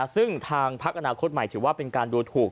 ซึ่งทางพักอนาคตใหม่ถือว่าเป็นการดูถูก